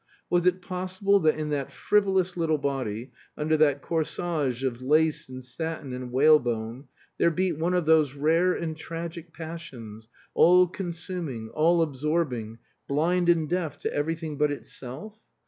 Was it possible that in that frivolous little body, under that corsage of lace and satin and whalebone, there beat one of those rare and tragic passions, all consuming, all absorbing, blind and deaf to everything but itself?